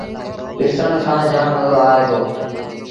ڏسن سآݩ جآم مزو آئي دو۔